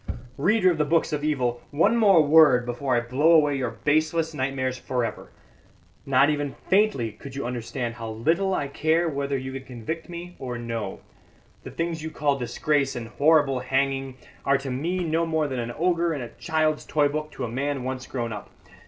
"Reader of the books of evil, one more word before I blow away your baseless nightmares for ever. Not even faintly could you understand how little I care whether you can convict me or no. The things you call disgrace and horrible hanging are to me no more than an ogre in a child's toy book to a man once grown up.